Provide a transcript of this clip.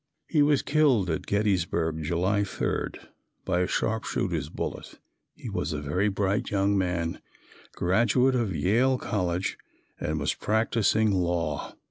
He was killed at Gettysburg, July 3, by a sharpshooter's bullet. He was a very bright young man, graduate of Yale college and was practising law.